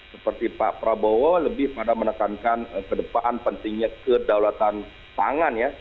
seperti pak prabowo lebih pada menekankan ke depan pentingnya kedaulatan pangan ya